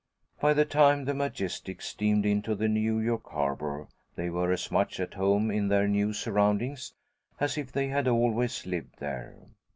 By the time the Majestic steamed into the New York harbour, they were as much at home in their new surroundings as if they had always lived there.